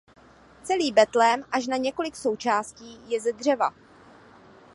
Celý betlém až na několik součástí je ze dřeva.